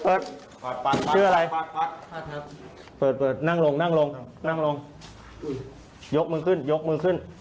ปัดให้เปิดนั่งลงยกมือขึ้น